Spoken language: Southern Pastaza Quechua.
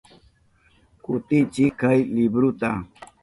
Kutichiy kay libruta.